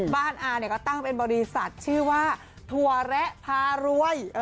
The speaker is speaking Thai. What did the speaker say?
บ้านอาตั้งเป็นบริษัทชื่อว่าถวแระพารวย